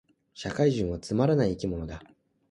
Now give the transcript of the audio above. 社会人はつまらない生き物だ